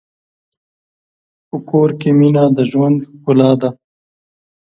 په کور کې مینه د ژوند ښکلا ده.